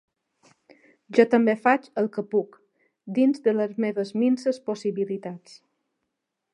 Jo també faig el que puc, dins de les meves minses possibilitats.